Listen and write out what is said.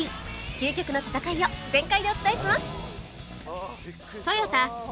究極の戦いを全開でお伝えします